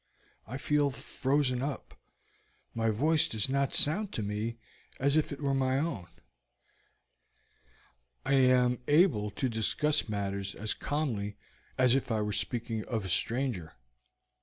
I feel frozen up; my voice does not sound to me as if it were my own; I am able to discuss matters as calmly as if I were speaking of a stranger.